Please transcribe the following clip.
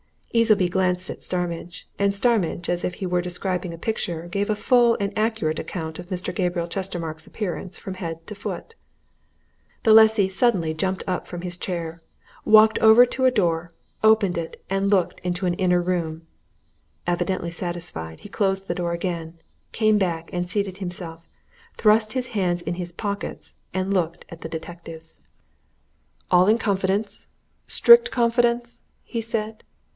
Easleby glanced at Starmidge. And Starmidge, as if he were describing a picture, gave a full and accurate account of Mr. Gabriel Chestermarke's appearance from head to foot. The lessee suddenly jumped from his chair, walked over to a door, opened it, and looked into an inner room. Evidently satisfied, he closed the door again, came back, seated himself, thrust his hands in his pockets, and looked at the detectives. "All in confidence strict confidence?" he said.